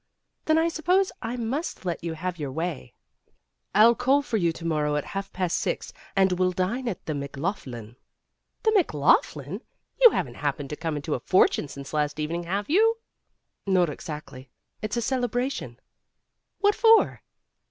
"Then I suppose I must let you have your way. '' "I'll call for you at half past six and we'll dine at the McLaughlin." "The McLaughlin! You haven't happened to come into a fortune since last evening, have you!" "Not exactly. It's a celebration." "What for?"